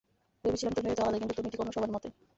ভেবেছিলাম তুমি হয়তো আলাদা, কিন্তু তুমি ঠিক অন্য সবার মতোই।